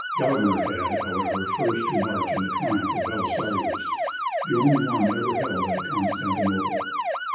Gelimer had, however, first to march in the triumph of Belisarius, the only one ever held at Constantinople!